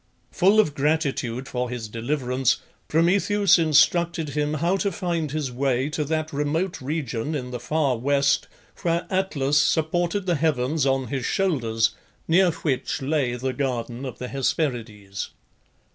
Full of gratitude for his deliverance, Prometheus instructed him how to find his way to that remote region in the far West where Atlas supported the heavens on his shoulders, near which lay the Garden of the Hesperides.